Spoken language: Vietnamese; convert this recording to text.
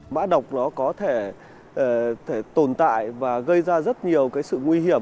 mã độc nó có thể tồn tại và gây ra rất nhiều cái sự nguy hiểm